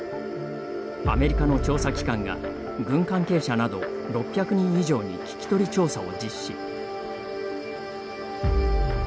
アメリカの調査機関が軍事関係者など６００人以上に聞き取り調査を実施。